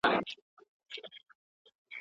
پسرلي راڅخه تېر سول، پر خزان غزل لیکمه